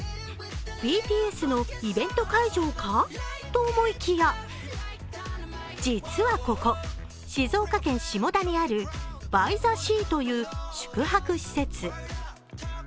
ＢＴＳのイベント会場かと思いきや実は、ここ静岡県下田にあるＢＹＴＨＥＳＥＡという宿泊施設。